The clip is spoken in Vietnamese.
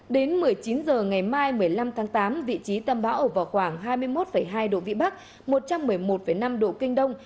đến một mươi chín h ngày mai một mươi năm tháng tám vị trí tâm bão ở vào khoảng hai mươi một hai độ vĩ bắc một trăm một mươi một năm độ kinh đông